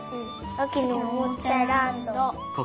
あきのおもちゃランド。